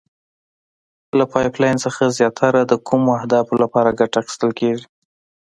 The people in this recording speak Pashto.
له پایپ لین څخه زیاتره د کومو اهدافو لپاره ګټه اخیستل کیږي؟